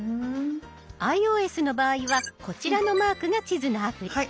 ｉＯＳの場合はこちらのマークが地図のアプリ。